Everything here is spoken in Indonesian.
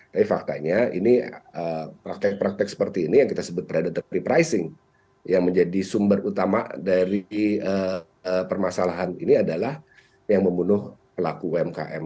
tapi faktanya ini praktek praktek seperti ini yang kita sebut predator repricing yang menjadi sumber utama dari permasalahan ini adalah yang membunuh pelaku umkm